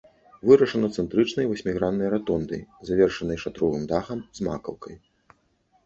Вырашана цэнтрычнай васьміграннай ратондай, завершанай шатровым дахам з макаўкай.